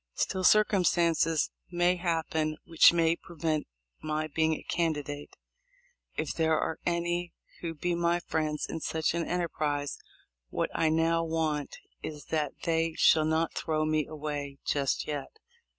Still, circumstances may happen which may prevent my being a candi date. If there are any who be my friends in such an enterprise, what I now want is that they shall not throw me away just yet."